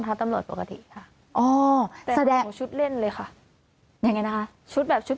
ตำรวจปกติค่ะอ๋อแสดงชุดเล่นเลยค่ะยังไงนะคะชุดแบบชุด